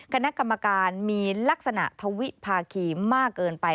คณะกรรมการมีลักษณะทวิภาคีมากเกินไป